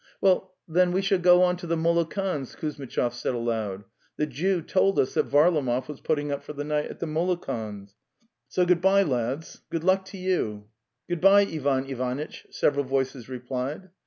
'Well, then, we shall go on to the Molokans'! " Kuzmitchov said aloud. '"' The Jew told us that Varlamov was putting up for the night at the Molo kans'. So good bye, lads! Good luck to you!" "" Good bye, Ivan Ivanitch," several voices replied.